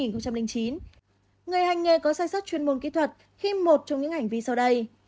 người hành nghề có sai sót chuyên môn kỹ thuật khi một trong những hành vi sau đây